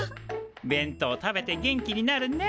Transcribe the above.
弁当食べて元気になるね。